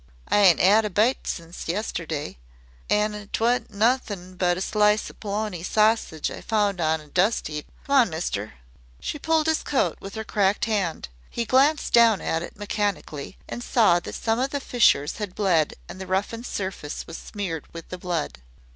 I ain't 'ad a bite since yesterday an' 't wa'n't nothin' but a slice o' polony sossidge I found on a dust 'eap. Come on, mister." She pulled his coat with her cracked hand. He glanced down at it mechanically, and saw that some of the fissures had bled and the roughened surface was smeared with the blood.